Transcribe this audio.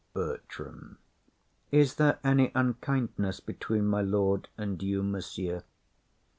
BERTRAM. Is there any unkindness between my lord and you, monsieur?